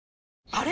あれ？